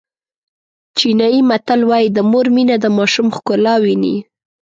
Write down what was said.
چینایي متل وایي د مور مینه د ماشوم ښکلا ویني.